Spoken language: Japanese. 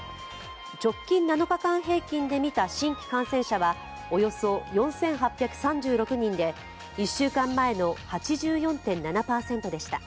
直近７日間平均で見た新規感染者は、およそ４８３６人で、１週間前の８４．７％でした。